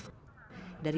dari empat kali penyandra